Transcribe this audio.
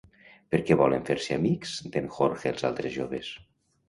Per què volen fer-se amics d'en Jorge els altres joves?